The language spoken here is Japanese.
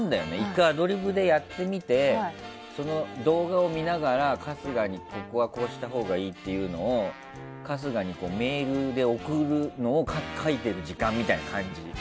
１回アドリブでやってみて動画を見ながら春日にここはこうしたほうがいいっていうのを春日にメールで送るのを書いている時間みたいな感じ。